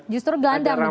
justru gelandang begitu ya